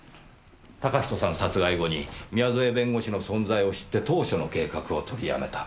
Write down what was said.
嵩人さん殺害後に宮添弁護士の存在を知って当初の計画を取りやめた。